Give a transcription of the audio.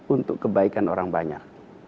untuk kebaikan orang banyak